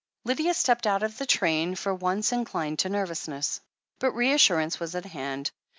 Lydia stepped out of the train, for once inclined to nervousness. But reassurance was at hand.